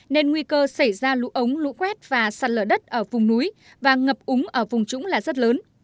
nên nguy cơ xảy ra lũ ống lũ quét và sạt lở đất ở vùng núi và ngập úng ở vùng trũng là rất lớn